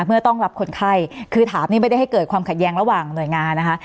เพื่อต้องรับคนไข้คือถามนี่ไม่ได้ให้เกิดความขัดแย้งระหว่างหน่วยงานนะคะ